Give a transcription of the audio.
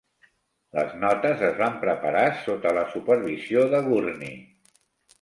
Les notes es van preparar sota la supervisió de Gurney.